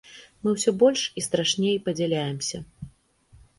Мы ўсё больш і страшней падзяляемся.